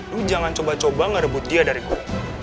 lo jangan coba coba nge rebut dia dari gue